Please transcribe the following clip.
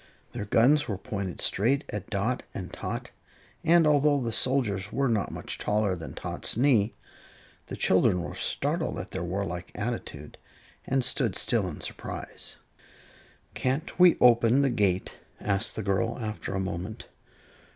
Their guns were pointed straight at Dot and Tot, and although the soldiers were not much taller than Tot's knee, the children were startled at their warlike attitude and stood still in surprise. "Can't we open the gate?" asked the girl, after a moment.